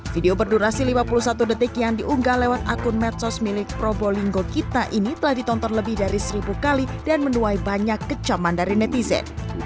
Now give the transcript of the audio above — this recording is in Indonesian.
video berdurasi lima puluh satu detik yang diunggah lewat akun medsos milik probolinggo kita ini telah ditonton lebih dari seribu kali dan menuai banyak kecaman dari netizen